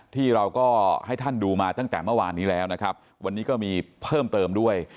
ที่เราก็ให้ท่านดูมาตั้งแต่เมื่อวานนี้แล้วนะครับวันนี้ก็มีเพิ่มเติมด้วย